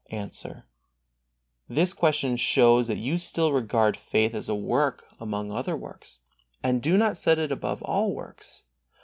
Answer: This question shows that you still regard faith as a work among other works, and do not set it above all works.